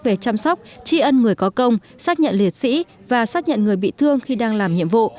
về chăm sóc tri ân người có công xác nhận liệt sĩ và xác nhận người bị thương khi đang làm nhiệm vụ